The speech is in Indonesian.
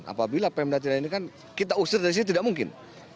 apabila pemda tidak ini kan kita usir dari sini tidak mungkin